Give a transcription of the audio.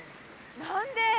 何で？